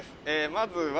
まずは。